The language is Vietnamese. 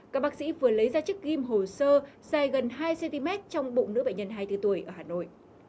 các bác sĩ vừa lấy ra chiếc ghim hồ sơ dài gần hai cm trong bụng nữ bệnh nhân hai mươi bốn tuổi ở hà nội